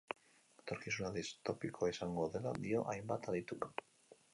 Etorkizuna distopikoa izango dela dio hainbat adituk.